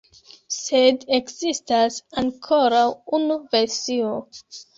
Sed ekzistas ankoraŭ unu versio.